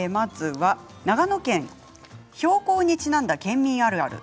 長野県標高にちなんだ県民あるある。